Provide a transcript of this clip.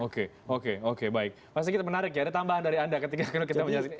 oke oke baik pasti kita menarik ya ada tambahan dari anda ketika kita menyelidiki